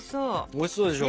おいしそうでしょ？